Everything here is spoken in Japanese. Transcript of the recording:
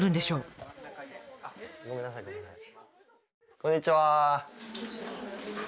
こんにちは。